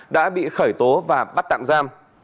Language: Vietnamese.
đã bị khởi tố và bắt tạm giam